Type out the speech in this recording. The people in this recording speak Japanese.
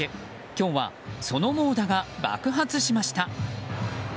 今日は、その猛打が爆発しました。